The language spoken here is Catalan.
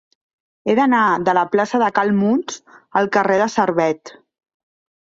He d'anar de la plaça de Cal Muns al carrer de Servet.